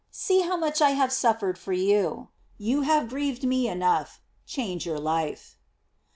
See how much I have suffered for you. You have grieved me enough, change your life."